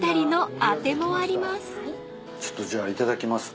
ちょっとじゃあいただきます。